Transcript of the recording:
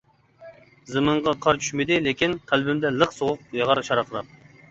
زېمىنغا قار چۈشمىدى لېكىن، قەلبىمدە لىق سوغۇق ياغار شارقىراپ.